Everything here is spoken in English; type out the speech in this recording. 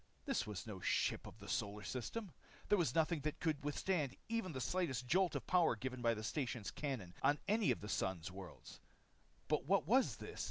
This was no ship of the solar system. There was nothing that could withstand even the slight jolt of power given by the station cannon on any of the Sun's worlds. But what was this?